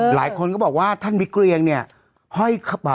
หลายคนก็บอกว่าท่านวิกเรียงเนี่ยห้อยเข้าไป